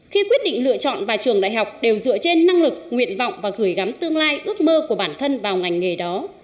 khi quyết định lựa chọn vào trường đại học đều dựa trên năng lực nguyện vọng và gửi gắm tương lai ước mơ của bản thân vào ngành nghề đó